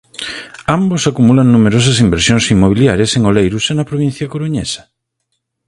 Ambos acumulan numerosas inversións inmobiliarias en Oleiros e na provincia coruñesa.